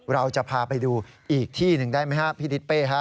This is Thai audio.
เราจะพาไปดูอีกที่หนึ่งได้ไหมครับพี่ทิศเป้ฮะ